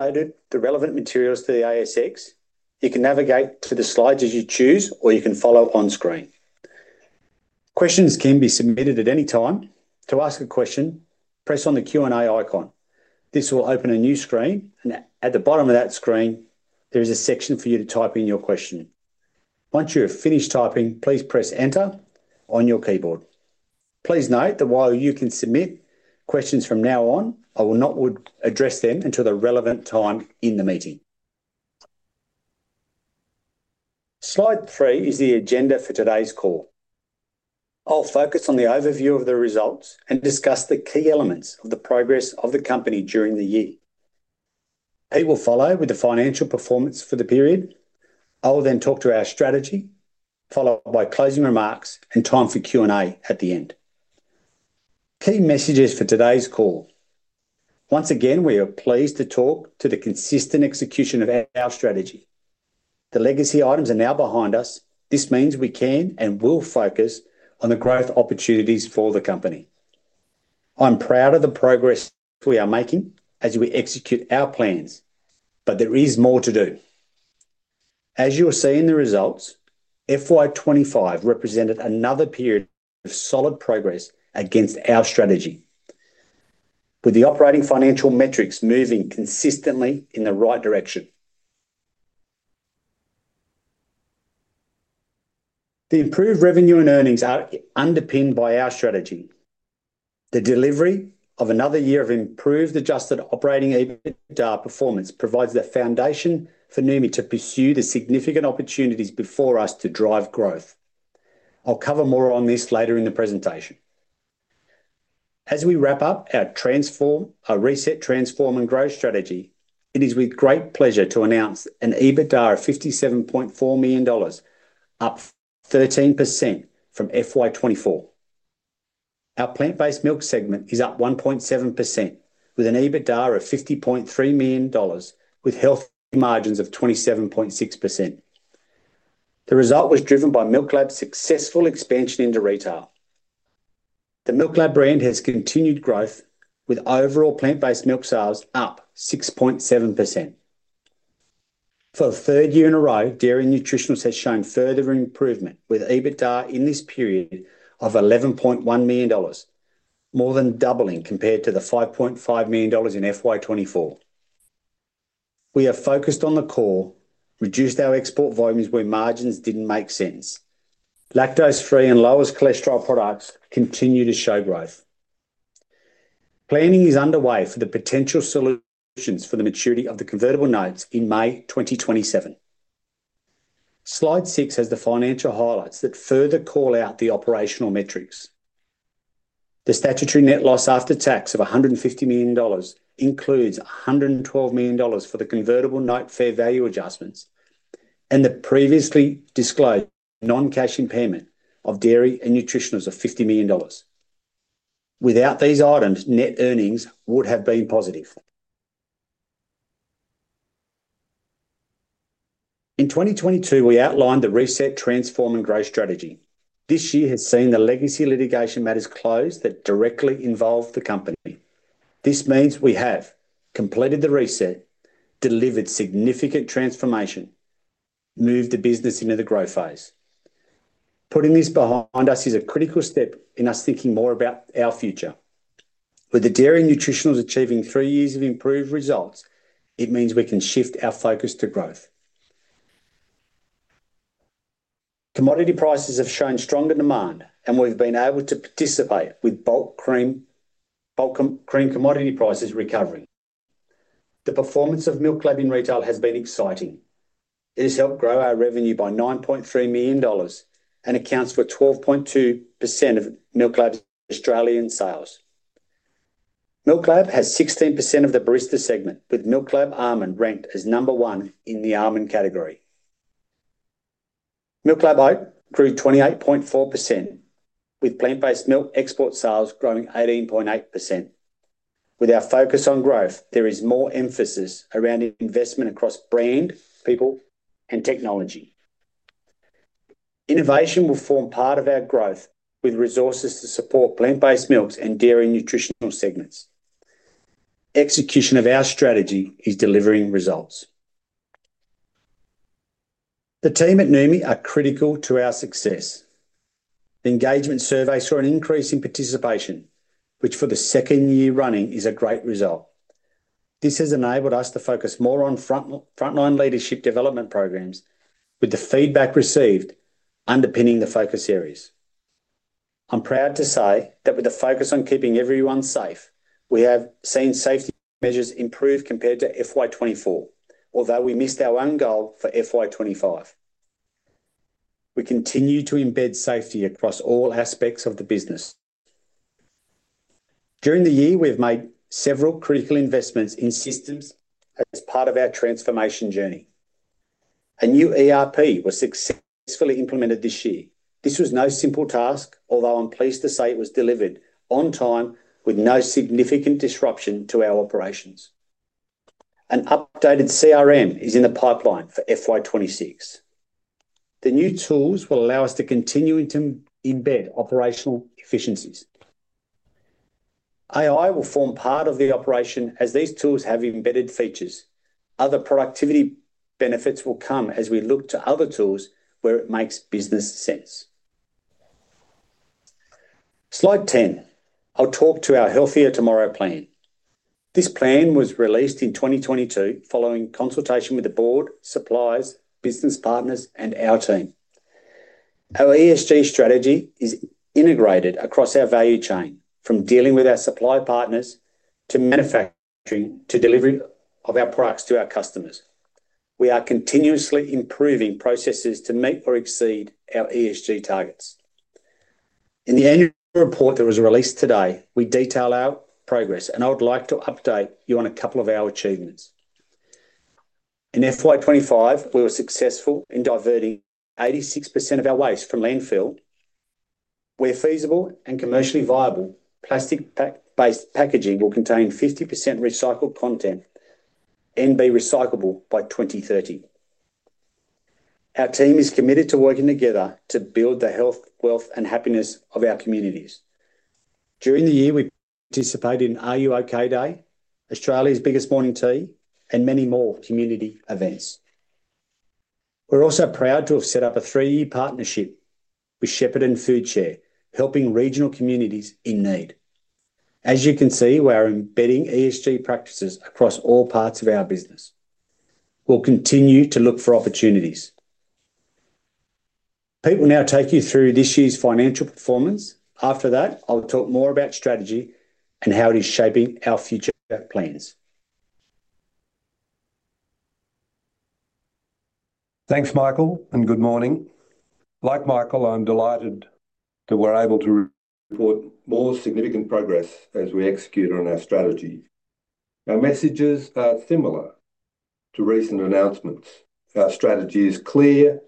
Loaded the relevant materials for the ASX. You can navigate through the slides as you choose, or you can follow up on screen. Questions can be submitted at any time. To ask a question, press on the Q&A icon. This will open a new screen, and at the bottom of that screen, there is a section for you to type in your question. Once you have finished typing, please press Enter on your keyboard. Please note that while you can submit questions from now on, I will not address them until the relevant time in the meeting. Slide three is the agenda for today's call. I'll focus on the overview of the results and discuss the key elements of the progress of the company during the year. I will follow with the financial performance for the period. I will then talk to our strategy, followed by closing remarks and time for Q&A at the end. Key messages for today's call. Once again, we are pleased to talk to the consistent execution of our strategy. The legacy items are now behind us. This means we can and will focus on the growth opportunities for the company. I'm proud of the progress we are making as we execute our plans, but there is more to do. As you will see in the results, FY 2025 represented another period of solid progress against our strategy, with the operating financial metrics moving consistently in the right direction. The improved revenue and earnings are underpinned by our strategy. The delivery of another year of improved adjusted operating performance provides the foundation for Noumi to pursue the significant opportunities before us to drive growth. I'll cover more on this later in the presentation. As we wrap up our reset, transform, and growth strategy, it is with great pleasure to announce an EBITDA of 57.4 million dollars, up 13% from FY 2024. Our plant-based milk segment is up 1.7%, with an EBITDA of 50.3 million dollars, with healthy margins of 27.6%. The result was driven by MILKLAB's successful expansion into retail. The MilkLab brand has continued growth, with overall plant-based milk sales up 6.7%. For the third year in a row, Dairy Nutritionals has shown further improvement, with EBITDA in this period of AUD 11.1 million, more than doubling compared to the AUD 5.5 million in FY 2024. We have focused on the core, reduced our export volumes where margins didn't make sense. Lactose-free and lowest cholesterol products continue to show growth. Planning is underway for the potential solutions for the maturity of the convertible notes in May 2027. Slide six has the financial highlights that further call out the operational metrics. The statutory net loss after tax of 150 million dollars includes 112 million dollars for the convertible note fair value adjustments and the previously disclosed non-cash impairment of Dairy and Nutritionals of 50 million dollars. Without these items, net earnings would have been positive. In 2022, we outlined the reset, transform, and growth strategy. This year has seen the legacy litigation matters close that directly involve the company. This means we have completed the reset, delivered significant transformation, and moved the business into the growth phase. Putting this behind us is a critical step in us thinking more about our future. With the Dairy and Nutritionals achieving three years of improved results, it means we can shift our focus to growth. Commodity prices have shown stronger demand, and we've been able to participate with bulk cream commodity prices recovery. The performance of MILKLAB in retail has been exciting. It has helped grow our revenue by $9.3 million and accounts for 12.2% of MILKLAB's Australian sales. MILKLAB has 16% of the barista segment, with MILKLAB almond ranked as number one in the almond category. MILKLAB hope grew 28.4%, with plant-based milk export sales growing 18.8%. With our focus on growth, there is more emphasis around investment across brand, people, and technology. Innovation will form part of our growth with resources to support plant-based milks and Dairy and Nutritionals segments. Execution of our strategy is delivering results. The team at Noumi are critical to our success. The engagement survey saw an increase in participation, which for the second year running is a great result. This has enabled us to focus more on frontline leadership development programs, with the feedback received underpinning the focus areas. I'm proud to say that with the focus on keeping everyone safe, we have seen safety measures improve compared to FY 2024, although we missed our own goal for FY 2025. We continue to embed safety across all aspects of the business. During the year, we've made several critical investments in systems as part of our transformation journey. A new ERP system was successfully implemented this year. This was no simple task, although I'm pleased to say it was delivered on time with no significant disruption to our operations. An updated CRM is in the pipeline for FY 2026. The new tools will allow us to continue to embed operational efficiencies. AI will form part of the operation as these tools have embedded features. Other productivity benefits will come as we look to other tools where it makes business sense. Slide 10. I'll talk to our Healthier Tomorrow plan. This plan was released in 2022 following consultation with the Board, suppliers, business partners, and our team. Our ESG strategy is integrated across our value chain, from dealing with our supply partners to manufacturing to delivery of our products to our customers. We are continuously improving processes to meet or exceed our ESG targets. In the annual report that was released today, we detail our progress, and I would like to update you on a couple of our achievements. In FY 2025, we were successful in diverting 86% of our waste from landfill. Where feasible and commercially viable, plastic-based packaging will contain 50% recycled content and be recyclable by 2030. Our team is committed to working together to build the health, wealth, and happiness of our communities. During the year, we participated in Are You Okay Day, Australia's Biggest Morning Tea, and many more community events. We're also proud to have set up a three-year partnership with Shepparton Foodshare, helping regional communities in need. As you can see, we are embedding ESG practices across all parts of our business. We'll continue to look for opportunities. Pete will now take you through this year's financial performance. After that, I'll talk more about strategy and how it is shaping our future plans. Thanks, Michael, and good morning. Like Michael, I'm delighted that we're able to report more significant progress as we execute on our strategy. Our messages are similar to recent announcements. Our strategy is clear.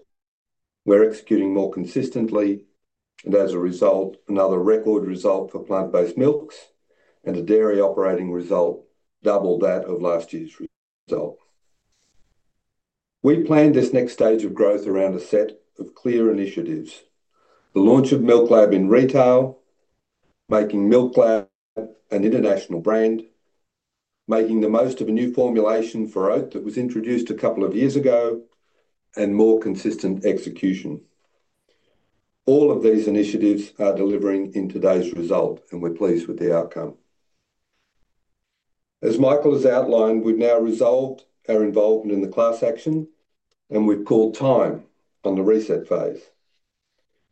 We're executing more consistently, and as a result, another record result for plant-based milks and a dairy operating result double that of last year's result. We plan this next stage of growth around a set of clear initiatives: the launch of MILKLAB in retail, making MILKLAB an international brand, making the most of a new formulation for oat that was introduced a couple of years ago, and more consistent execution. All of these initiatives are delivering in today's result, and we're pleased with the outcome. As Michael has outlined, we've now resolved our involvement in the class action, and we've called time on the reset phase.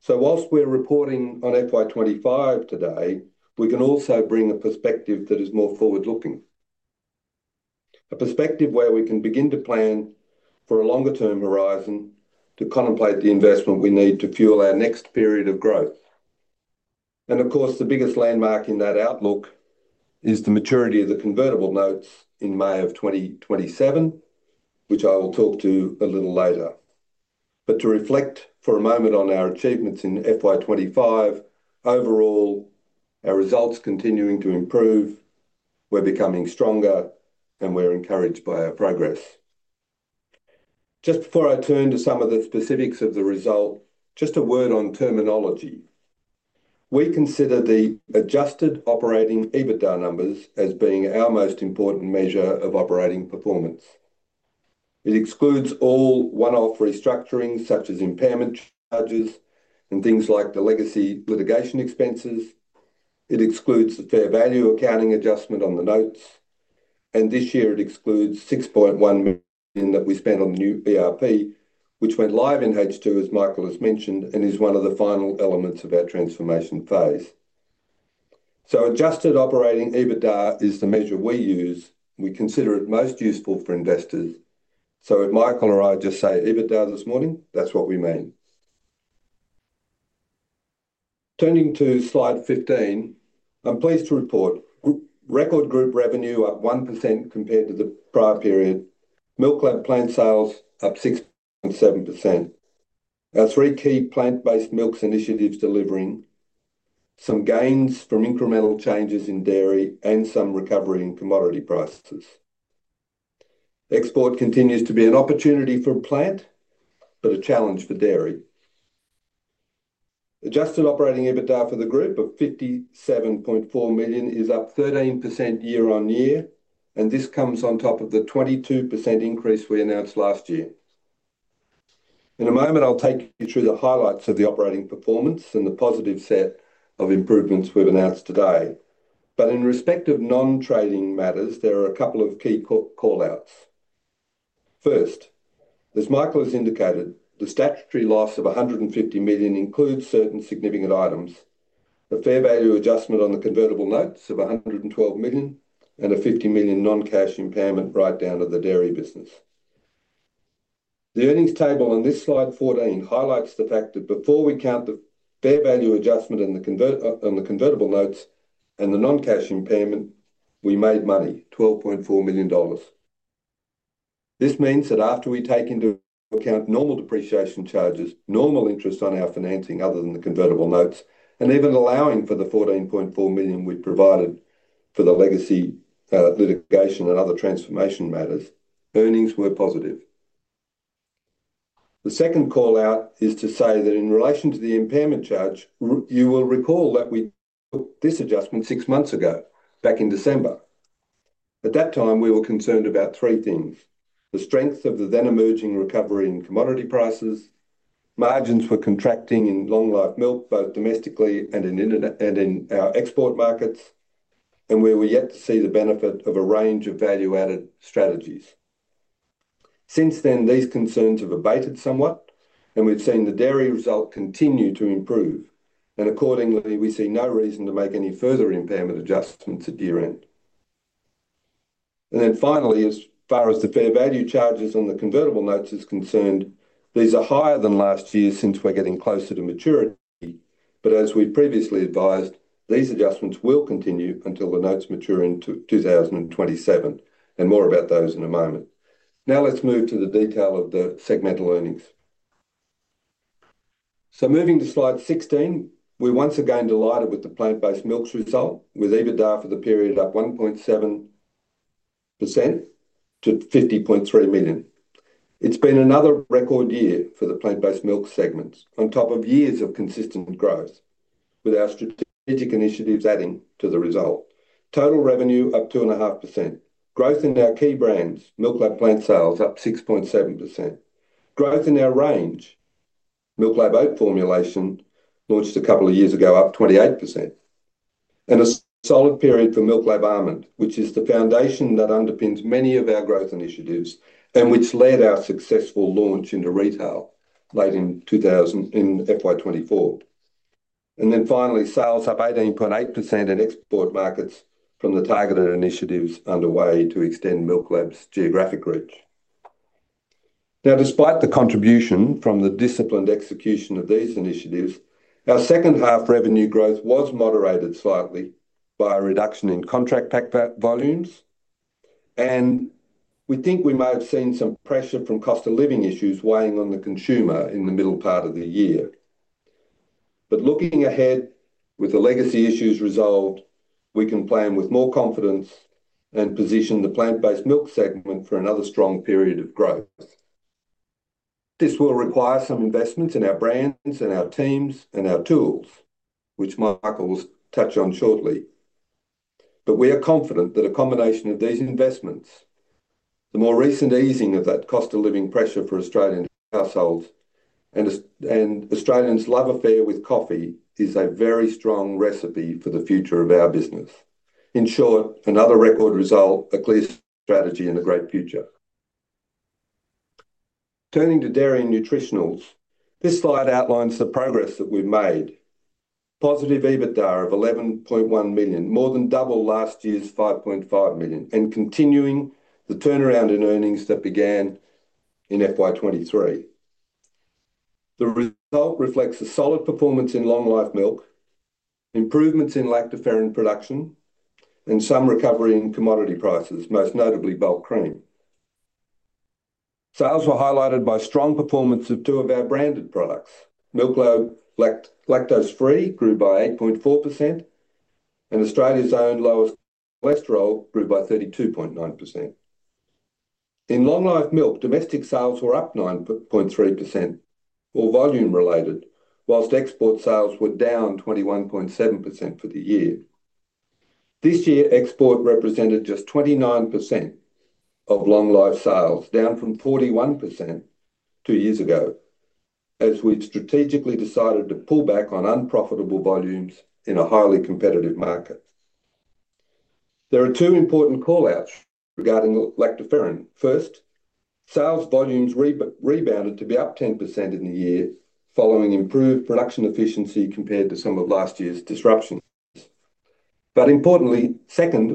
Whilst we're reporting on FY 2025 today, we can also bring a perspective that is more forward-looking. A perspective where we can begin to plan for a longer-term horizon to contemplate the investment we need to fuel our next period of growth. Of course, the biggest landmark in that outlook is the maturity of the convertible notes in May of 2027, which I will talk to a little later. To reflect for a moment on our achievements in FY 2025, overall, our results are continuing to improve. We're becoming stronger, and we're encouraged by our progress. Just before I turn to some of the specifics of the result, just a word on terminology. We consider the adjusted operating EBITDA numbers as being our most important measure of operating performance. It excludes all one-off restructuring such as impairment charges and things like the legacy litigation expenses. It excludes the fair value accounting adjustment on the notes. This year, it excludes 6.1% that we spend on the new ERP system, which went live in H2, as Michael has mentioned, and is one of the final elements of our transformation phase. Adjusted operating EBITDA is the measure we use. We consider it most useful for investors. If Michael or I just say EBITDA this morning, that's what we mean. Turning to slide 15, I'm pleased to report record group revenue up 1% compared to the prior period. MILKLAB plant sales up 6.7%. Our three key plant-based milks initiatives delivering some gains from incremental changes in dairy and some recovery in commodity prices. Export continues to be an opportunity for plant, but a challenge for dairy. Adjusted operating EBITDA for the group of 57.4 million is up 13% year-on-year, and this comes on top of the 22% increase we announced last year. In a moment, I'll take you through the highlights of the operating performance and the positive set of improvements we've announced today. In respect of non-trading matters, there are a couple of key callouts. First, as Michael has indicated, the statutory loss of 150 million includes certain significant items. The fair value adjustment on the convertible notes of 112 million and a 50 million non-cash impairment write-down to the dairy business. The earnings table on this slide 14 highlights the fact that before we count the fair value adjustment in the convertible notes and the non-cash impairment, we made money, 12.4 million dollars. This means that after we take into account normal depreciation charges, normal interest on our financing other than the convertible notes, and even allowing for the 14.4 million we provided for the legacy litigation and other transformation matters, earnings were positive. The second callout is to say that in relation to the impairment charge, you will recall that we put this adjustment six months ago, back in December. At that time, we were concerned about three things: the strength of the then emerging recovery in commodity prices, margins were contracting in long-life milk, both domestically and in our export markets, and we were yet to see the benefit of a range of value-added strategies. Since then, these concerns have abated somewhat, and we've seen the dairy result continue to improve. Accordingly, we see no reason to make any further impairment adjustments at year end. Finally, as far as the fair value charges on the convertible notes are concerned, these are higher than last year since we're getting closer to maturity. As we previously advised, these adjustments will continue until the notes mature in 2027. More about those in a moment. Now let's move to the detail of the segmental earnings. Moving to slide 16, we're once again delighted with the plant-based milks result, with EBITDA for the period up 1.7% to 50.3 million. It's been another record year for the plant-based milk segments, on top of years of consistent growth, with our strategic initiatives adding to the result. Total revenue up 2.5%. Growth in our key brands, MILKLAB plant sales, up 6.7%. Growth in our range, MILKLAB oat formulation launched a couple of years ago, up 28%. A solid period for MILKLAB almond, which is the foundation that underpins many of our growth initiatives and which led our successful launch into retail late in FY 2024. Finally, sales up 18.8% in export markets from the targeted initiatives underway to extend MILKLAB's geographic reach. Despite the contribution from the disciplined execution of these initiatives, our second half revenue growth was moderated slightly by a reduction in contract pack volumes. We think we may have seen some pressure from cost of living issues weighing on the consumer in the middle part of the year. Looking ahead, with the legacy issues resolved, we can plan with more confidence and position the plant-based milk segment for another strong period of growth. This will require some investments in our brands, our teams, and our tools, which Michael will touch on shortly. We are confident that a combination of these investments, the more recent easing of that cost of living pressure for Australian households, and Australians' love affair with coffee is a very strong recipe for the future of our business. In short, another record result, a clear strategy, and a great future. Turning to Dairy Nutritionals, this slide outlines the progress that we've made. Positive EBITDA of 11.1 million, more than double last year's 5.5 million, and continuing the turnaround in earnings that began in FY 2023. The result reflects a solid performance in long-life milk, improvements in lactoferrin production, and some recovery in commodity prices, most notably bulk cream. Sales were highlighted by strong performance of two of our branded products. MILKLAB lactose-free grew by 8.4%, and Australia's Own lowest cholesterol grew by 32.9%. In long-life milk, domestic sales were up 9.3%, all volume-related, whilst export sales were down 21.7% for the year. This year, export represented just 29% of long-life sales, down from 41% two years ago, as we had strategically decided to pull back on unprofitable volumes in a highly competitive market. There are two important callouts regarding lactoferrin. First, sales volumes rebounded to be up 10% in the year, following improved production efficiency compared to some of last year's disruptions. Importantly,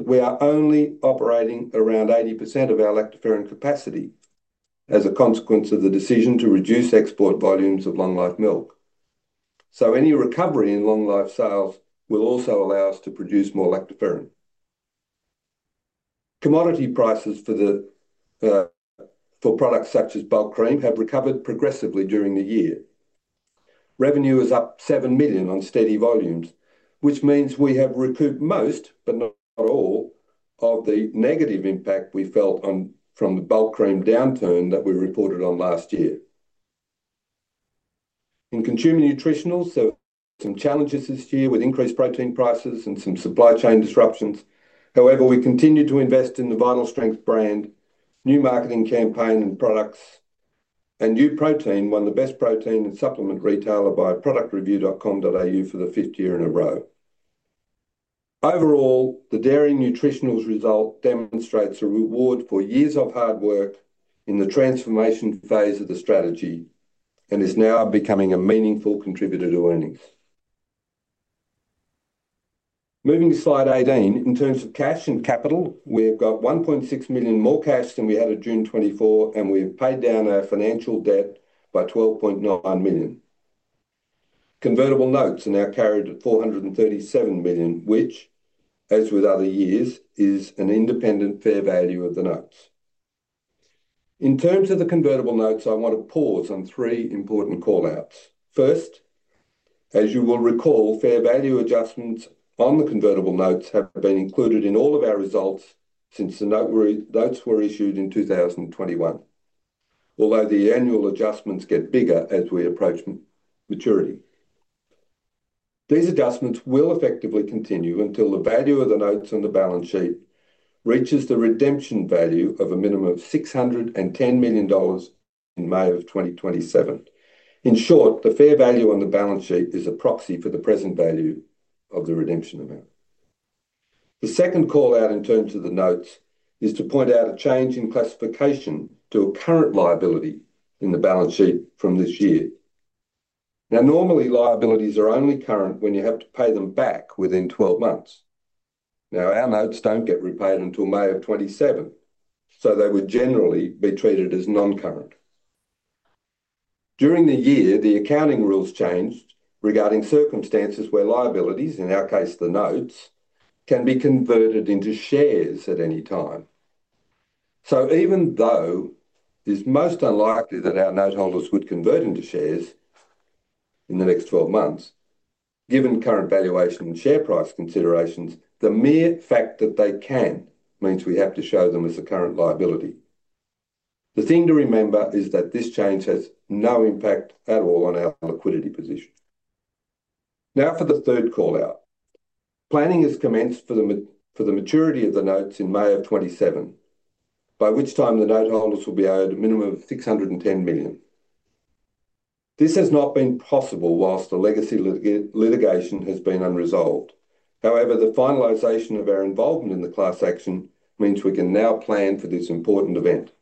we are only operating around 80% of our lactoferrin capacity as a consequence of the decision to reduce export volumes of long-life milk. Any recovery in long-life sales will also allow us to produce more lactoferrin. Commodity prices for products such as bulk cream have recovered progressively during the year. Revenue is up 7 million on steady volumes, which means we have recouped most, but not all, of the negative impact we felt from the bulk cream downturn that we reported on last year. In consumer nutritionals, there are some challenges this year with increased protein prices and some supply chain disruptions. However, we continue to invest in the Vital Strength brand, new marketing campaign and products, and New Protein, one of the best protein and supplement retailers by productreview.com.au for the fifth year in a row. Overall, the Dairy Nutritionals result demonstrates a reward for years of hard work in the transformation phase of the strategy and is now becoming a meaningful contributor to earnings. Moving to slide 18, in terms of cash and capital, we have got 1.6 million more cash than we had at June 2024, and we've paid down our financial debt by 12.9 million. Convertible notes are now carried at 437 million, which, as with other years, is an independent fair value of the notes. In terms of the convertible notes, I want to pause on three important callouts. First, as you will recall, fair value adjustments on the convertible notes have been included in all of our results since the notes were issued in 2021, although the annual adjustments get bigger as we approach maturity. These adjustments will effectively continue until the value of the notes on the balance sheet reaches the redemption value of a minimum of 610 million dollars in May of 2027. In short, the fair value on the balance sheet is a proxy for the present value of the redemption amount. The second callout in terms of the notes is to point out a change in classification to a current liability in the balance sheet from this year. Normally, liabilities are only current when you have to pay them back within 12 months. Our notes don't get repaid until May of 2027, so they would generally be treated as non-current. During the year, the accounting rules changed regarding circumstances where liabilities, in our case, the notes, can be converted into shares at any time. Even though it is most unlikely that our noteholders would convert into shares in the next 12 months, given current valuation and share price considerations, the mere fact that they can means we have to show them as a current liability. The thing to remember is that this change has no impact at all on our liquidity position. Now for the third callout. Planning has commenced for the maturity of the notes in May of 2027, by which time the noteholders will be owed a minimum of 610 million. This has not been possible whilst the legacy litigation has been unresolved. However, the finalization of our involvement in the class action means we can now plan for this important event.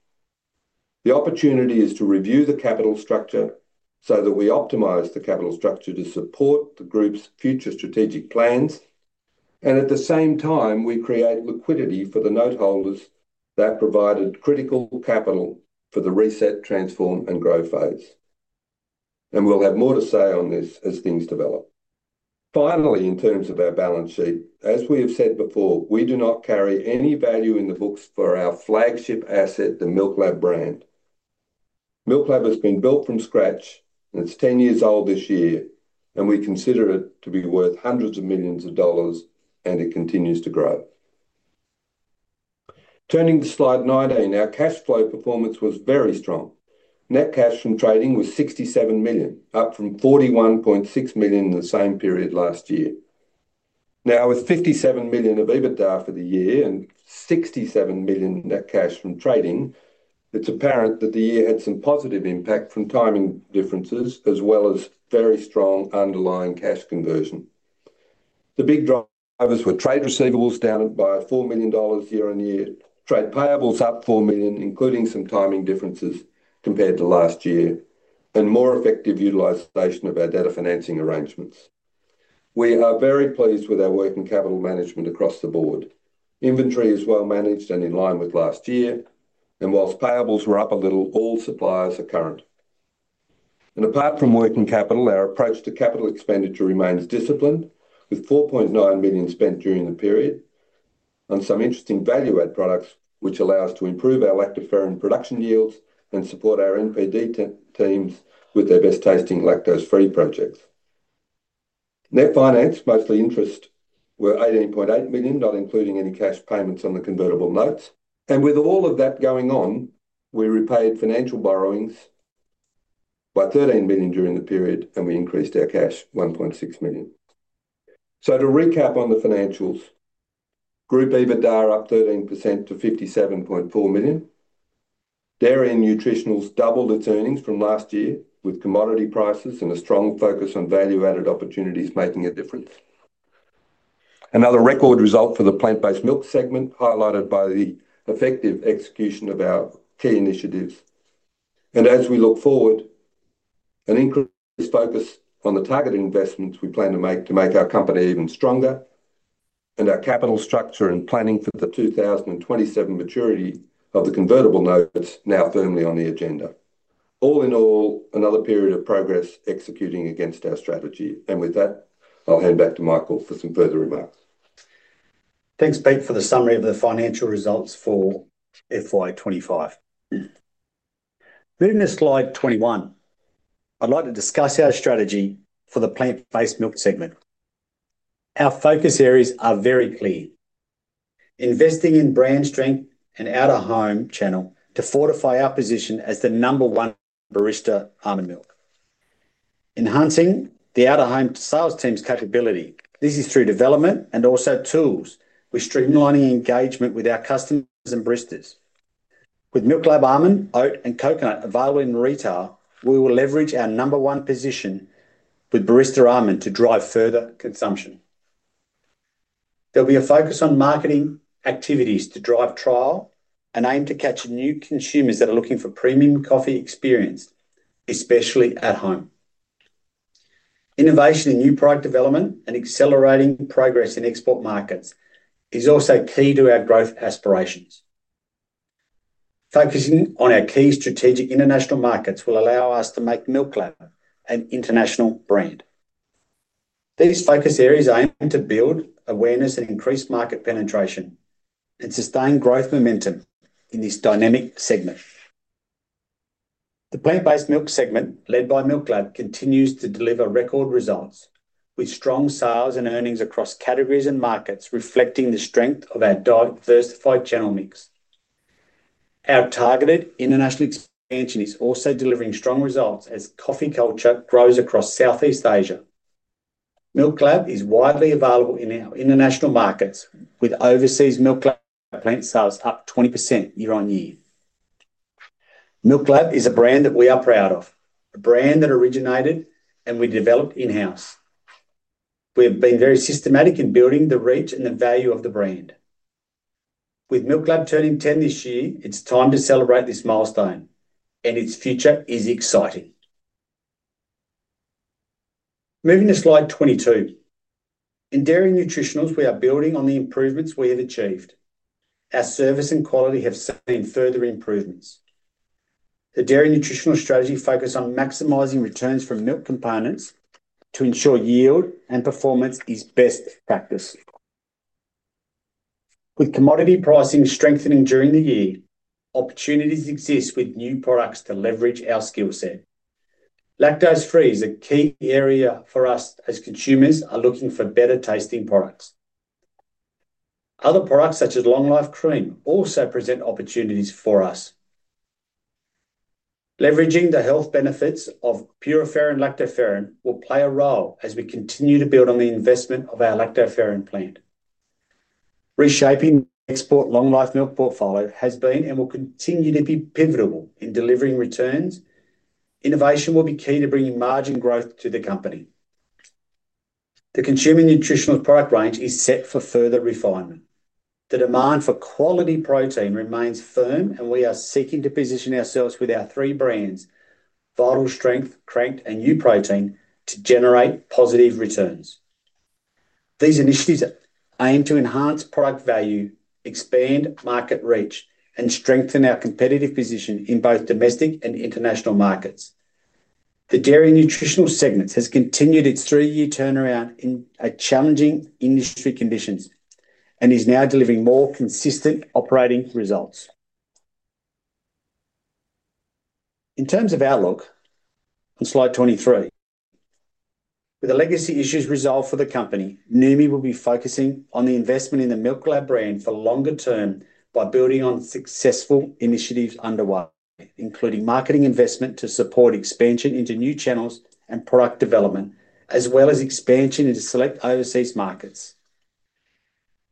The opportunity is to review the capital structure so that we optimize the capital structure to support the group's future strategic plans. At the same time, we create liquidity for the noteholders that provided critical capital for the reset, transform, and grow phase. We will have more to say on this as things develop. Finally, in terms of our balance sheet, as we have said before, we do not carry any value in the books for our flagship asset, the MILKLAB brand. MILKLAB has been built from scratch, and it's 10 years old this year, and we consider it to be worth hundreds of millions of dollars, and it continues to grow. Turning to slide 19, our cash flow performance was very strong. Net cash from trading was 67 million, up from 41.6 million in the same period last year. Now, with 57 million of EBITDA for the year and 67 million net cash from trading, it's apparent that the year had some positive impact from timing differences as well as very strong underlying cash conversion. The big drivers were trade receivables down by 4 million dollars year on year, trade payables up 4 million, including some timing differences compared to last year, and more effective utilization of our data financing arrangements. We are very pleased with our working capital management across the board. Inventory is well managed and in line with last year, and whilst payables are up a little, all suppliers are current. Apart from working capital, our approach to capital expenditure remains disciplined, with 4.9 million spent during the period on some interesting value-add products, which allow us to improve our lactoferrin production yields and support our NPD teams with their best-tasting lactose-free projects. Their finance, mostly interest, were 18.8 million, not including any cash payments on the convertible notes. With all of that going on, we repaid financial borrowings by 13 million during the period, and we increased our cash 1.6 million. To recap on the financials, group EBITDA up 13% to 57.4 million. Dairy Nutritionals doubled its earnings from last year with commodity prices and a strong focus on value-added opportunities making a difference. Another record result for the plant-based milk segment, highlighted by the effective execution of our key initiatives. As we look forward, an increased focus on the target investments we plan to make to make our company even stronger, and our capital structure and planning for the 2027 maturity of the convertible notes are now firmly on the agenda. All in all, another period of progress executing against our strategy. With that, I'll hand back to Michael for some further remarks. Thanks, Pete, for the summary of the financial results for FY 2025. Moving to slide 21, I'd like to discuss our strategy for the plant-based milk segment. Our focus areas are very clear. Investing in brand strength and out-of-home channel to fortify our position as the number one barista almond milk. Enhancing the out-of-home sales team's capability, this is through development and also tools, with streamlining engagement with our customers and baristas. With MILKLAB almond, oat, and coconut available in retail, we will leverage our number one position with barista almond to drive further consumption. There'll be a focus on marketing activities to drive trial and aim to catch new consumers that are looking for premium coffee experience, especially at home. Innovation in new product development and accelerating progress in export markets is also key to our growth aspirations. Focusing on our key strategic international markets will allow us to make MILKLAB an international brand. These focus areas are aimed to build awareness and increase market penetration and sustain growth momentum in this dynamic segment. The plant-based milk segment led by MILKLAB continues to deliver record results with strong sales and earnings across categories and markets, reflecting the strength of our diversified channel mix. Our targeted international expansion is also delivering strong results as coffee culture grows across Southeast Asia. MILKLAB is widely available in our international markets, with overseas MILKLAB plant sales up 20% year-on-year. MILKLAB is a brand that we are proud of, a brand that originated and we developed in-house. We've been very systematic in building the reach and the value of the brand. With MILKLAB turning 10 this year, it's time to celebrate this milestone, and its future is exciting. Moving to slide 22. In Dairy Nutritionals, we are building on the improvements we have achieved. Our service and quality have seen further improvements. The Dairy Nutritionals strategy focuses on maximizing returns from milk components to ensure yield and performance is best practice. With commodity pricing strengthening during the year, opportunities exist with new products to leverage our skill set. Lactose-free is a key area for us as consumers are looking for better tasting products. Other products such as long-life cream also present opportunities for us. Leveraging the health benefits of PUREnFERRIN lactoferrin will play a role as we continue to build on the investment of our lactoferrin plant. Reshaping the export long-life milk portfolio has been and will continue to be pivotal in delivering returns. Innovation will be key to bringing margin growth to the company. The consumer nutritional product range is set for further refinement. The demand for quality protein remains firm, and we are seeking to position ourselves with our three brands: Vital Strength, Crankt, and New Protein to generate positive returns. These initiatives aim to enhance product value, expand market reach, and strengthen our competitive position in both domestic and international markets. The Dairy Nutritional segment has continued its three-year turnaround in challenging industry conditions and is now delivering more consistent operating results. In terms of outlook on slide 23, with the legacy issues resolved for the company, Noumi will be focusing on the investment in the MILKLAB brand for longer term by building on successful initiatives underway, including marketing investment to support expansion into new channels and product development, as well as expansion into select overseas markets.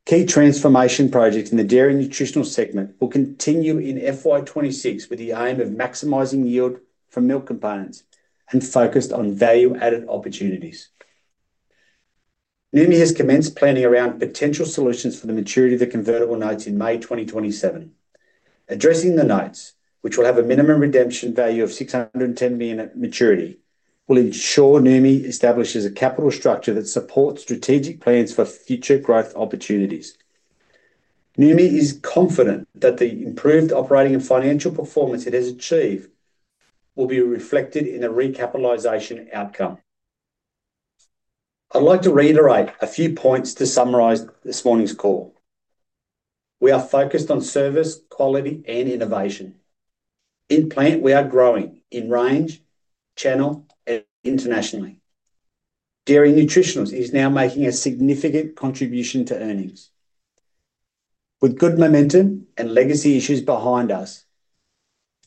Key transformation projects in the Dairy Nutritional segment will continue in FY 2026 with the aim of maximizing yield from milk components and focused on value-added opportunities. Noumi has commenced planning around potential solutions for the maturity of the convertible notes in May 2027. Addressing the notes, which will have a minimum redemption value of 610 million at maturity, will ensure Noumi establishes a capital structure that supports strategic plans for future growth opportunities. Noumi is confident that the improved operating and financial performance it has achieved will be reflected in a recapitalization outcome. I'd like to reiterate a few points to summarize this morning's call. We are focused on service, quality, and innovation. In plant, we are growing in range, channel, and internationally. Dairy Nutritionals is now making a significant contribution to earnings. With good momentum and legacy issues behind us,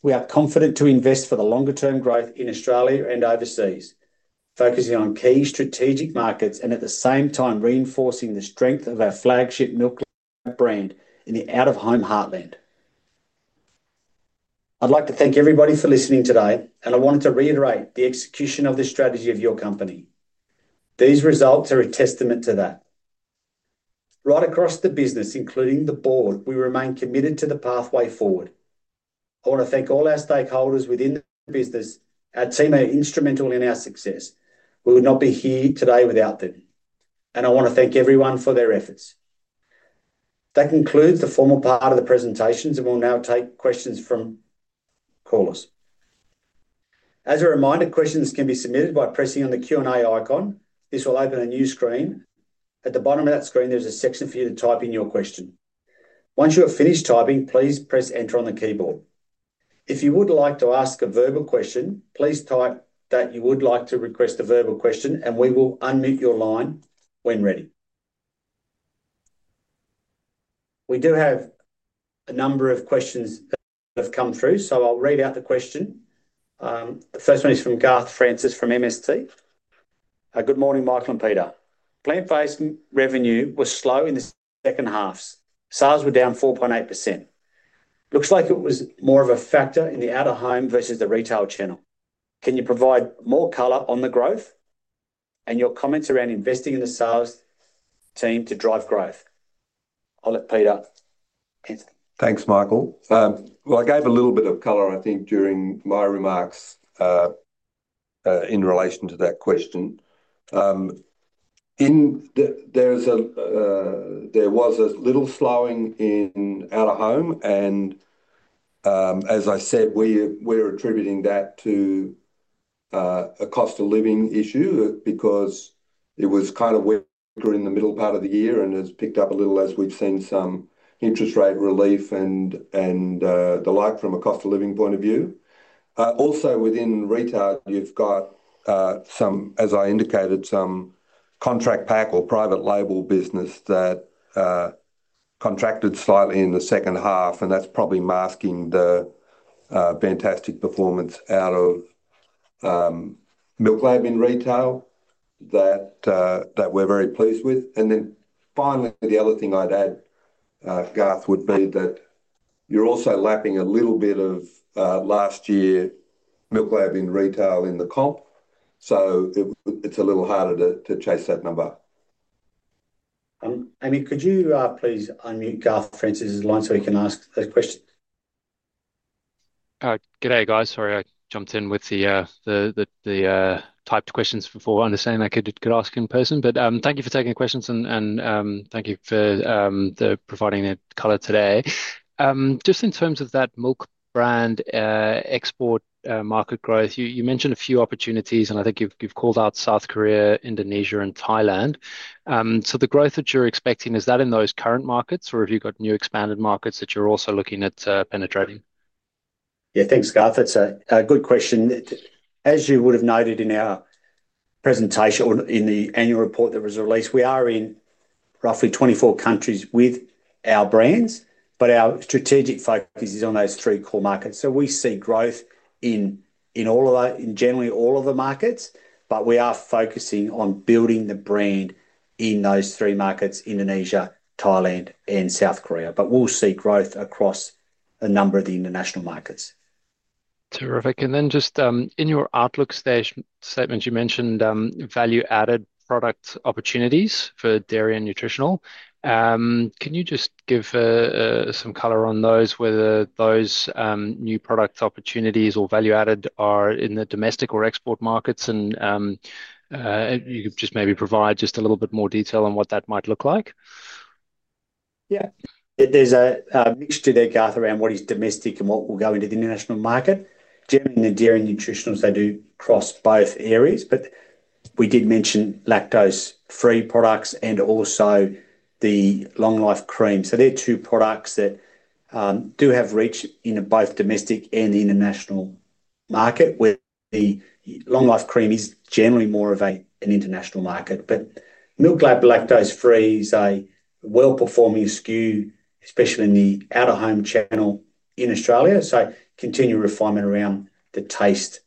we are confident to invest for the longer-term growth in Australia and overseas, focusing on key strategic markets and at the same time reinforcing the strength of our flagship milk brand in the out-of-home heartland. I'd like to thank everybody for listening today, and I wanted to reiterate the execution of this strategy of your company. These results are a testament to that. Right across the business, including the Board, we remain committed to the pathway forward. I want to thank all our stakeholders within the business. Our team are instrumental in our success. We would not be here today without them. I want to thank everyone for their efforts. That concludes the formal part of the presentations, and we'll now take questions from callers. As a reminder, questions can be submitted by pressing on the Q&A icon. This will open a new screen. At the bottom of that screen, there's a section for you to type in your question. Once you have finished typing, please press Enter on the keyboard. If you would like to ask a verbal question, please type that you would like to request a verbal question, and we will unmute your line when ready. We do have a number of questions that have come through, so I'll read out the question. The first one is from Garth Francis from MST. Good morning, Michael and Peter. Plant-based revenue was slow in the second half. Sales were down 4.8%. Looks like it was more of a factor in the out-of-home versus the retail channel. Can you provide more color on the growth and your comments around investing in the sales team to drive growth? I'll let Peter answer. Thanks, Michael. I gave a little bit of color, I think, during my remarks in relation to that question. There was a little slowing in out-of-home, and as I said, we're attributing that to a cost of living issue because it was kind of weaker in the middle part of the year and has picked up a little as we've seen some interest rate relief and the like from a cost of living point of view. Also, within retail, you've got some, as I indicated, some contract pack or private label business that contracted slightly in the second half, and that's probably masking the fantastic performance out of MILKLAB in retail that we're very pleased with. Finally, the other thing I'd add, Garth, would be that you're also lapping a little bit of last year MILKLAB in retail in the comp, so it's a little harder to chase that number. Andy, could you please unmute Garth Francis' line so he can ask a question? Good day, guys. Sorry, I jumped in with the typed questions before I understand I could ask in person. Thank you for taking questions and thank you for providing the color today. Just in terms of that milk brand export market growth, you mentioned a few opportunities, and I think you've called out South Korea, Indonesia, and Thailand. The growth that you're expecting, is that in those current markets, or have you got new expanded markets that you're also looking at penetrating? Yeah, thanks, Garth. That's a good question. As you would have noted in our presentation or in the annual report that was released, we are in roughly 24 countries with our brands, but our strategic focus is on those three core markets. We see growth in generally all of the markets, but we are focusing on building the brand in those three markets: Indonesia, Thailand, and South Korea. We'll see growth across a number of the international markets. Terrific. In your outlook statement, you mentioned value-added product opportunities for Dairy Nutritional. Can you just give some color on those, whether those new product opportunities or value-added are in the domestic or export markets, and you could just maybe provide just a little bit more detail on what that might look like? Yeah. There's a mixture there, Garth, around what is domestic and what will go into the international market. Generally, in Dairy Nutritionals, they do cross both areas, but we did mention lactose-free products and also the long-life cream. They're two products that do have reach in both domestic and the international market, where the long-life cream is generally more of an international market. MILKLAB lactose-free is a well-performing SKU, especially in the out-of-home channel in Australia. Continued refinement around the taste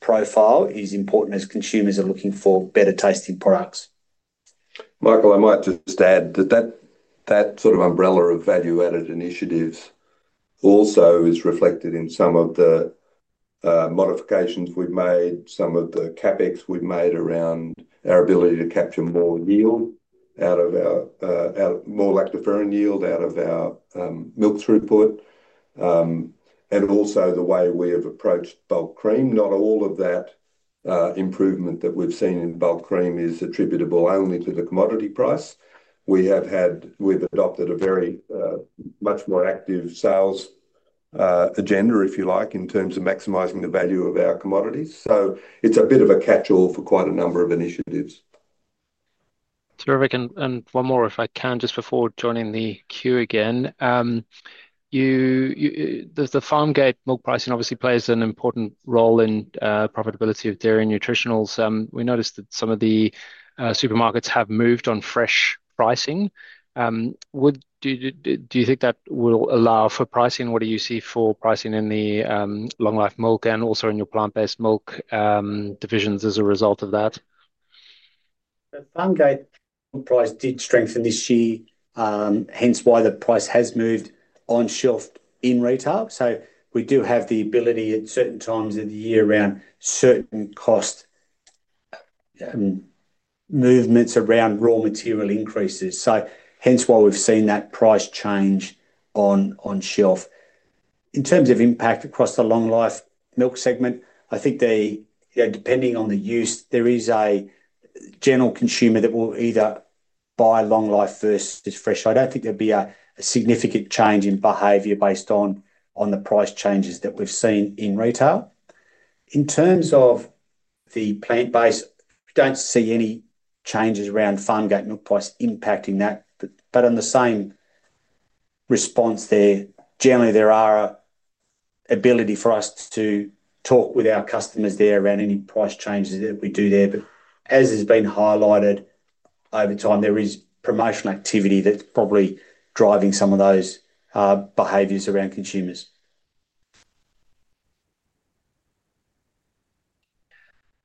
profile is important as consumers are looking for better-tasting products. Michael, I might just add that that sort of umbrella of value-added initiatives also is reflected in some of the modifications we've made, some of the CapEx we've made around our ability to capture more yield out of our more lactoferrin yield out of our milk throughput, and also the way we have approached bulk cream. Not all of that improvement that we've seen in bulk cream is attributable only to the commodity price. We have had, we've adopted a very much more active sales agenda, if you like, in terms of maximizing the value of our commodities. It's a bit of a catch-all for quite a number of initiatives. Terrific. One more, if I can, just before joining the queue again. The farm gate milk pricing obviously plays an important role in profitability of Dairy Nutritionals. We noticed that some of the supermarkets have moved on fresh pricing. Do you think that will allow for pricing? What do you see for pricing in the long-life milk and also in your plant-based milk divisions as a result of that? The farm gate price did strengthen this year, hence why the price has moved on shelf in retail. We do have the ability at certain times of the year around certain cost movements around raw material increases. Hence why we've seen that price change on shelf. In terms of impact across the long-life milk segment, I think depending on the use, there is a general consumer that will either buy long-life versus fresh. I don't think there'll be a significant change in behavior based on the price changes that we've seen in retail. In terms of the plant-based, we don't see any changes around farm gate milk price impacting that. On the same response there, generally there are an ability for us to talk with our customers there around any price changes that we do there. As has been highlighted over time, there is promotional activity that's probably driving some of those behaviors around consumers.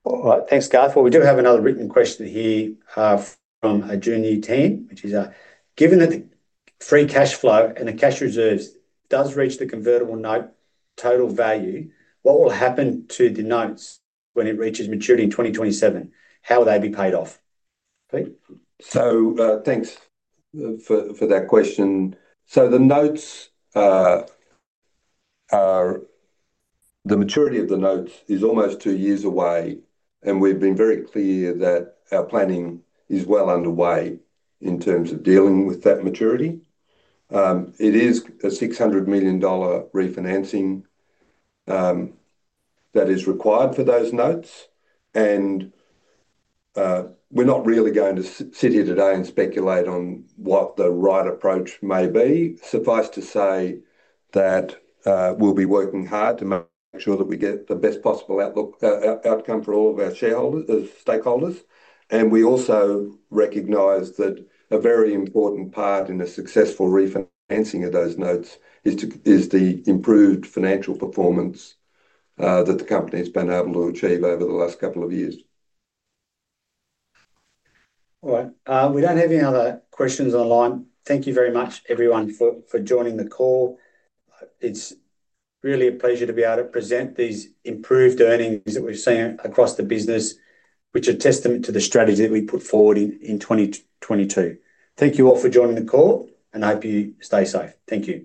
All right. Thanks, Garth. We do have another written question here from a Journey team, which is, given that the free cash flow and the cash reserves do reach the convertible note total value, what will happen to the notes when it reaches maturity in 2027? How will they be paid off? Thank you for that question. The maturity of the notes is almost two years away, and we've been very clear that our planning is well underway in terms of dealing with that maturity. It is a 600 million dollar refinancing that is required for those notes, and we're not really going to sit here today and speculate on what the right approach may be. Suffice to say that we'll be working hard to make sure that we get the best possible outcome for all of our stakeholders. We also recognize that a very important part in a successful refinancing of those notes is the improved financial performance that the company has been able to achieve over the last couple of years. All right. We don't have any other questions online. Thank you very much, everyone, for joining the call. It's really a pleasure to be able to present these improved earnings that we're seeing across the business, which are a testament to the strategy that we put forward in 2022. Thank you all for joining the call, and I hope you stay safe. Thank you.